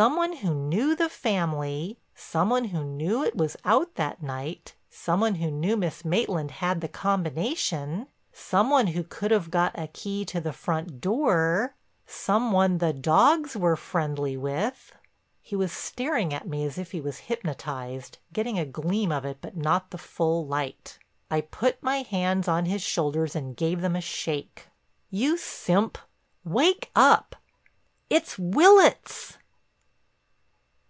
"Some one who knew the family, some one who knew it was out that night, some one who knew Miss Maitland had the combination, some one who could have got a key to the front door, some one the dogs were friendly with!" He was staring at me as if he was hypnotized—getting a gleam of it but not the full light. I put my hands on his shoulders and gave them a shake. "You simp, wake up. It's Willitts!"